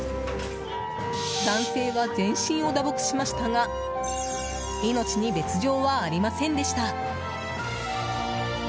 男性は全身を打撲しましたが命に別条はありませんでした。